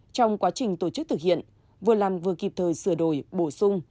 trong quá trình tổ chức thực hiện vừa làm vừa kịp thời sửa đổi bổ sung